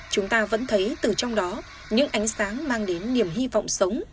chúng ta vẫn thấy từ trong đó những ánh sáng mang đến niềm hy vọng sống